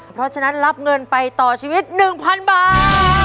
เพราะฉะนั้นรับเงินไปต่อชีวิต๑๐๐๐บาท